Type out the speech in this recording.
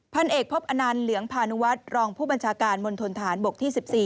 พันเอกพบอนันต์เหลืองพานุวัฒน์รองผู้บัญชาการมณฑนฐานบกที่๑๔